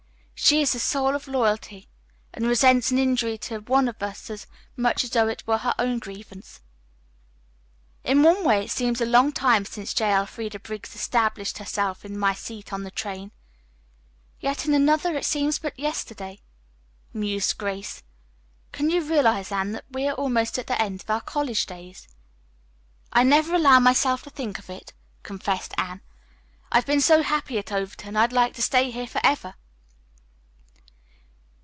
She is the soul of loyalty and resents an injury to one of us as much as though it were her own grievance." "In one way it seems a long time since J. Elfreda Briggs established herself in my seat on the train, yet in another it seems but yesterday," mused Grace. "Can you realize, Anne, that we are almost at the end of our college days?" "I never allow myself to think of it," confessed Anne. "I've been so happy at Overton I'd like to stay here forever."